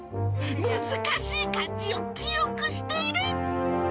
難しい漢字を記憶している。